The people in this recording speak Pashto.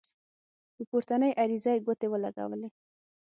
په پورتنۍ عریضه یې ګوتې ولګولې.